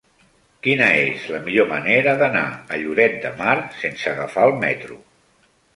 Quina és la millor manera d'anar a Lloret de Mar sense agafar el metro?